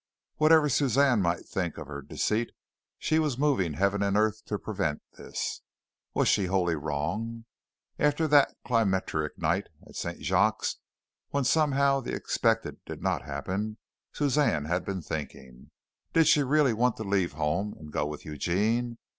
Whatever Suzanne might think of her deceit, she was moving Heaven and earth to prevent this. Was she wholly wrong? After that climacteric night at St. Jacques, when somehow the expected did not happen, Suzanne had been thinking. Did she really want to leave home, and go with Eugene?